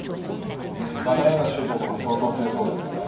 金への執着も相当強そうですよね。